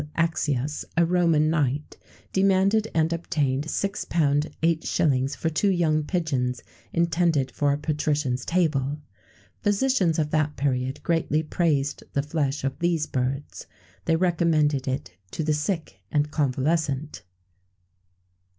Axius, a Roman knight, demanded and obtained £6 8_s._ for two young pigeons intended for a patrician's table.[XVII 95] Physicians of that period greatly praised the flesh of these birds; they recommended it to the sick and convalescent.